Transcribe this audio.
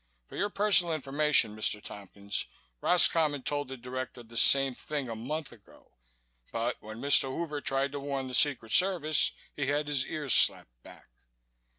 "For your personal information, Mr. Tompkins, Roscommon told the Director the same thing a month ago but when Mr. Hoover tried to warn the Secret Service he had his ears slapped back.